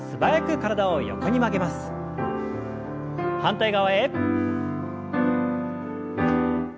反対側へ。